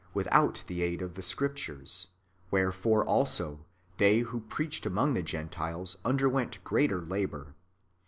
459 without [the aid of] the Scriptures : wherefore, also, they who preached among the Gentiles underwent greater lahour.